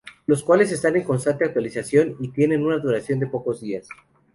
Los cuales están en constante actualización y tienen una duración de pocos días.